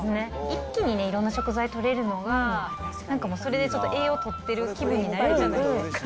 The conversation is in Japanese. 一気にいろんな食材とれるのが、なんかもう、それでちょっと栄養とってる気分になるじゃないですか。